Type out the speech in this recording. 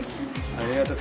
ありがとう。